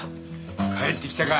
帰ってきたか。